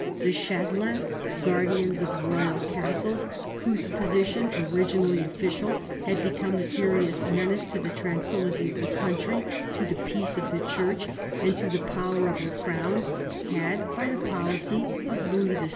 The chatelains, guardians of royal castles, whose position, originally official, had become a serious menace to the tranquillity of the country, to the peace of the church, and to the power of the crown, had, by the policy of Louis VI.